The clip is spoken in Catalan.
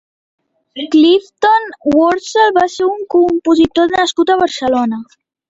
Clifton Worsley va ser un compositor nascut a Barcelona.